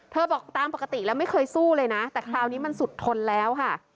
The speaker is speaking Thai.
บอกตามปกติแล้วไม่เคยสู้เลยนะแต่คราวนี้มันสุดทนแล้วค่ะ